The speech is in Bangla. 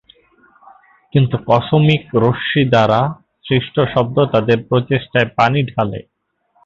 কিন্তু, কসমিক রশ্মি দ্বারা সৃষ্ট শব্দ তাদের প্রচেষ্টায় পানি ঢালে।